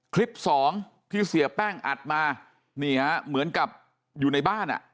คลิป๒ที่เสียแป้งอัดมาเหมือนกับอยู่ในบ้านอะ